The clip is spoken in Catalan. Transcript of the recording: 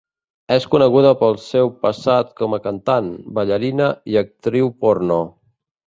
És coneguda pel seu passat com a cantant, ballarina i actriu porno.